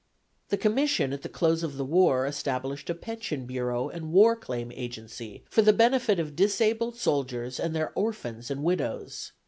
The Commission at the close of the war established a pension bureau and war claim agency for the benefit of disabled soldiers and their orphans and widows.